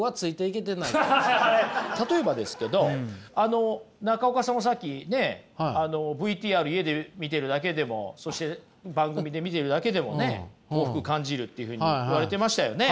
たとえばですけどあの中岡さんもさっきねＶＴＲ見てるだけでもそして番組で見てるだけでもね幸福感じるっていうふうに言われてましたよね。